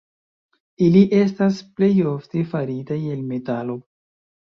Ili estas plej ofte faritaj el metalo.